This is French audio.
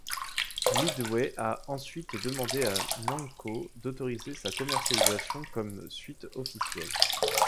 Midway a ensuite demandé à Namco d'autoriser sa commercialisation comme suite officielle.